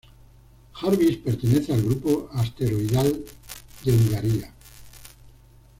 Jarvis pertenece al grupo asteroidal de Hungaria.